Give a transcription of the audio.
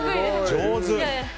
上手。